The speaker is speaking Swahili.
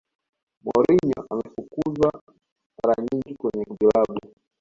mourinho amefukuzwa mara nyingi kwenye vilabu